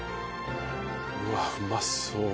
うわっうまそう。